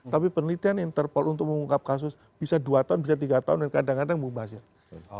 tapi penelitian interpol untuk mengungkap kasus bisa dua tahun bisa tiga tahun dan kadang kadang mubazir